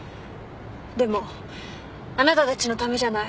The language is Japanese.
でもあなたたちのためじゃない。